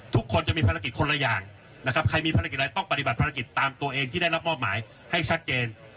ทุกคนจะมีภารกิจคนละอย่างนะครับใครมีภารกิจอะไรต้องปฏิบัติภารกิจตามตัวเองที่ได้รับมอบหมายให้ชัดเจน